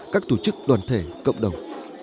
các tổ chức đoàn thể cộng đồng